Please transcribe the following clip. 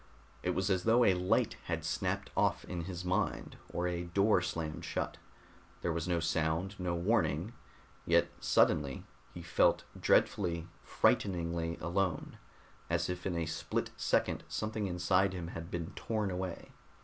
It was as though a light had snapped off in his mind, or a door slammed shut. There was no sound, no warning; yet, suddenly, he felt dreadfully, frighteningly alone, as if in a split second something inside him had been torn away.